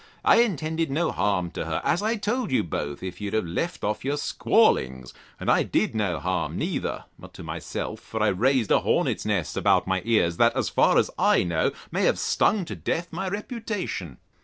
I intended no harm to her, as I told you both, if you'd have left your squallings: And I did no harm neither, but to myself; for I raised a hornet's nest about my ears, that, as far as I know, may have stung to death my reputation.